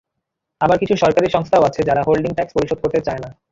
আবার কিছু সরকারি সংস্থাও আছে, যারা হোল্ডিং ট্যাক্স পরিশোধ করতে চায় না।